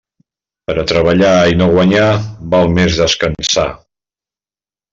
Per a treballar i no guanyar, val més descansar.